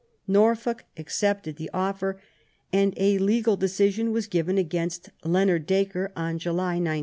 Norfolk accepted the offer, and a legal decision was given against Leonard Dacre on July 19.